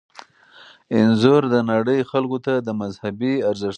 انځور د نړۍ خلکو ته د مذهبي ارزښتونو اهمیت ښيي.